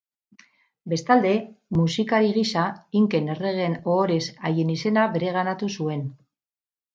Bestalde musikari gisa inken erregeen ohorez haien izena bereganatu zuen.